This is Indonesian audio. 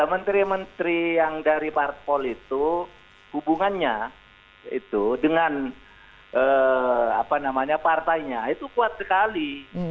menteri menteri yang dari parpol itu hubungannya itu dengan partainya itu kuat sekali